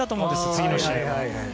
次の試合は。